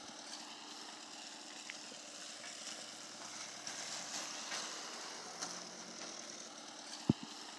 Omwaka olowooza tetugukubye oluku mu mutwe?